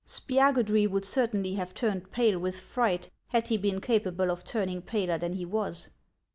Spiagudry would certainly have turned pale with fright, had he been capable of turning paler than he was.